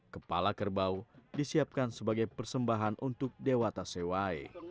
kepala kerbau disiapkan sebagai persembahan untuk dewata sewai